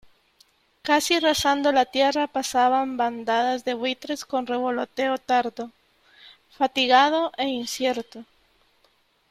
casi rasando la tierra pasaban bandadas de buitres con revoloteo tardo , fatigado e incierto .